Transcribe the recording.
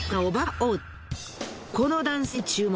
この男性に注目。